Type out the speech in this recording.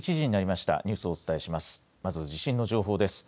まず地震の情報です。